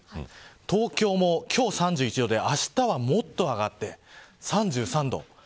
東京も今日３１度であしたは、もっと上がって３３度。